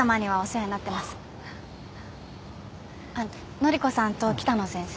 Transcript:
乃里子さんと北野先生。